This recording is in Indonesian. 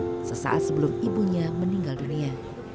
dan mencerita sesaat sebelum ibunya meninggal dunia